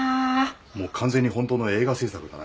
もう完全に本当の映画製作だな。